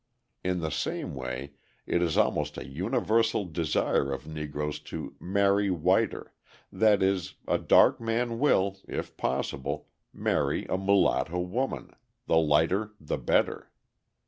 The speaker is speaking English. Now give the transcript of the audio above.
In the same way it is almost a universal desire of Negroes to "marry whiter;" that is, a dark man will, if possible, marry a mulatto woman, the lighter the better.